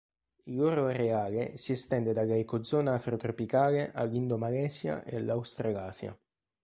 Il loro areale si estende dalla ecozona afrotropicale all'Indomalesia e all'Australasia.